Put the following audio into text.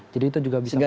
jadi itu juga bisa